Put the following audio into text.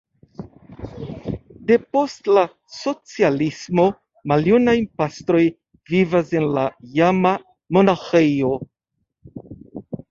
Depost la socialismo maljunaj pastroj vivas en la iama monaĥejo.